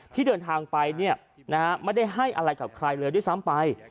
ที่เดินทางไปไม่ได้ให้อะไรกับใครเลยด้วยซ้ำไป